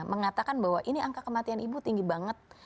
mengatakan bahwa ini angka kematian ibu tinggi banget